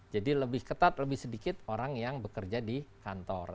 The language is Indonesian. jadi lebih ketat lebih sedikit orang yang bekerja di kantor